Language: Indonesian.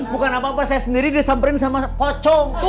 bukan apa apa saya sendiri disamperin sama pocong